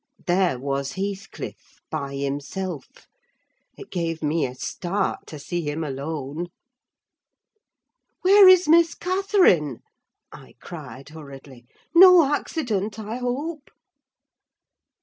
There was Heathcliff, by himself: it gave me a start to see him alone. "Where is Miss Catherine?" I cried hurriedly. "No accident, I hope?"